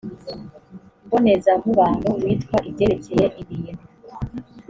mbonezamubano witwa ibyerekeye ibintu